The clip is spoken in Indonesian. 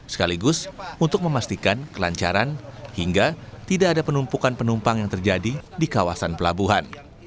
sekaligus untuk memastikan kelancaran hingga tidak ada penumpukan penumpang yang terjadi di kawasan pelabuhan